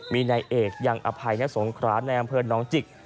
มีนายเอกยังอภัยณสงคราในอำเภอน้องจิก